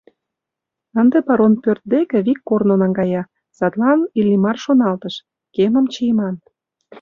Ынде барон пӧрт деке вик корно наҥгая, садлан Иллимар шоналтыш: «Кемым чийыман».